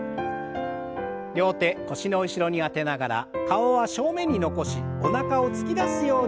両手腰の後ろに当てながら顔は正面に残しおなかを突き出すようにして